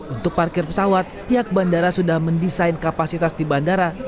untuk parkir pesawat pihak bandara sudah mendesain kapasitas di bandara